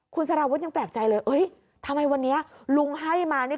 คุณสารวุฒิยังแปลกใจเลยทำไมวันนี้ลุงให้มานี่